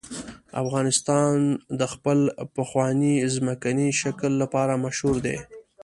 افغانستان د خپل پخواني ځمکني شکل لپاره مشهور دی.